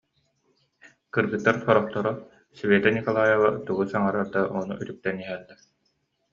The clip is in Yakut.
Кыргыттар сорохторо, Света Николаева тугу саҥарар да, ону үтүктэн иһэллэр